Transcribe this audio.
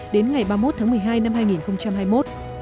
đến ngày ba mươi một tháng một mươi hai năm hai nghìn hai mươi một